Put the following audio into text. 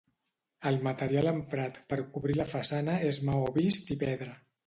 El material emprat per cobrir la façana és maó vist i pedra.